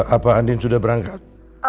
apa andin sudah berangkat